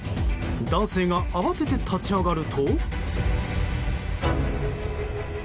男性が慌てて立ち上がると。